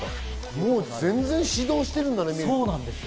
もう全然始動してるんだね。